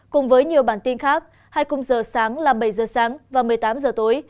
cùng với nhiều bản tin khác hai cung giờ sáng là bảy giờ sáng và một mươi tám h tối